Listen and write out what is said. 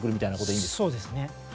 そうですね。